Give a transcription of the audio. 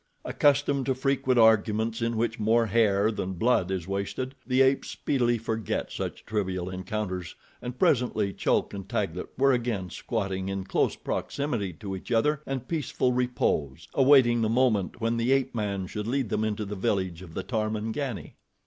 Accustomed to frequent arguments in which more hair than blood is wasted, the apes speedily forget such trivial encounters, and presently Chulk and Taglat were again squatting in close proximity to each other and peaceful repose, awaiting the moment when the ape man should lead them into the village of the Tarmangani.